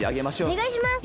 おねがいします。